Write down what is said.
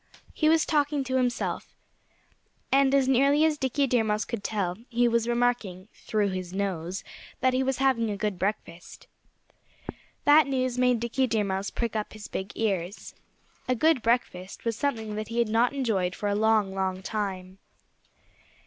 He was talking to himself. And as nearly as Dickie Deer Mouse could tell, he was remarking through his nose that he was having a good breakfast. That news made Dickie Deer Mouse prick up his big ears. A good breakfast was something that he had not enjoyed for a long, long time.